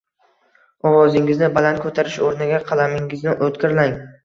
Ovozingizni baland ko‘tarish o‘rniga qalamingizni o‘tkirlang.